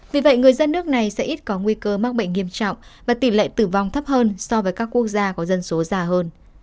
vì vậy người dân nước này sẽ ít có nguy cơ mắc bệnh nghiêm trọng và tỷ lệ tử vong thấp hơn so với các quốc gia có dân số già hơn